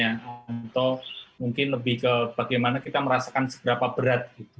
atau mungkin lebih ke bagaimana kita merasakan seberapa berat gitu